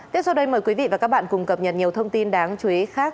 tiếp sau đây mời quý vị và các bạn cùng cập nhật nhiều thông tin đáng chú ý khác